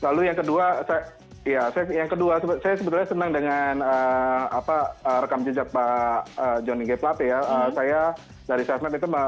lalu yang kedua saya sebetulnya senang dengan rekam jejak pak joni g pelate ya saya dari safenet itu